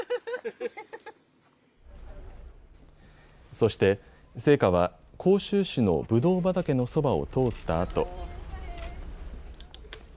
そして聖火は甲州市のぶどう畑のそばを通ったあと。